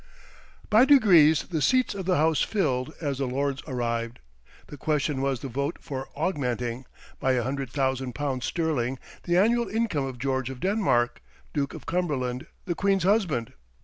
By degrees the seats of the House filled as the Lords arrived. The question was the vote for augmenting, by a hundred thousand pounds sterling, the annual income of George of Denmark, Duke of Cumberland, the queen's husband.